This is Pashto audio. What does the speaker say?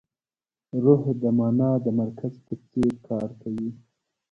روح د مانا د مرکز په څېر کار کوي.